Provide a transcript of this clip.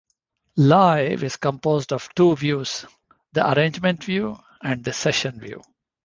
Live is composed of two 'views' - the arrangement view and the session view.